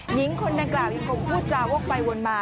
หญิงคนดังกล่าวยังคงพูดจาวกไปวนมา